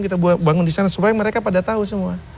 kita bangun di sana supaya mereka pada tahu semua